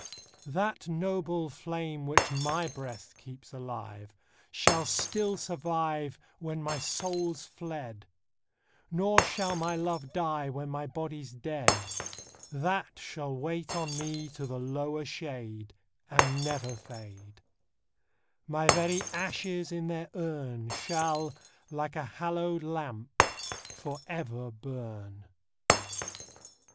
That noble flame, which my Ijreast keeps alive. Shall still survive Wlien my soul's fled ; Nor shall my love die, when ray Ijody's dead ; That shall wait on me to the lower shade, And never fade : My very ashes in their urn Shall, like a hallowed lamp, for ever burn.